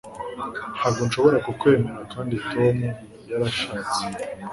ntabwo nshobora kukwemera kandi tom yarashatse